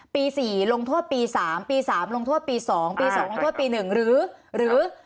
ปี๔ลงโทษปี๓ปี๓ลงโทษปี๒ปี๒ลงโทษปี๑หรือ